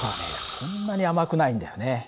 そんなに甘くないんだよね。